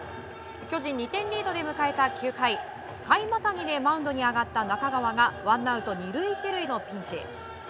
巨人２点リードで迎えた９回回またぎでマウンドに上がった中川がワンアウト２塁１塁のピンチ。